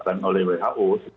dan oleh who